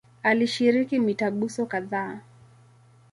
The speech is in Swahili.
Alishiriki mitaguso kadhaa.